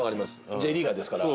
Ｊリーガーですから。